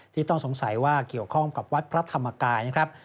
ต้องสงสัยว่าเกี่ยวข้องกับวัดพระธรรมกายนะครับ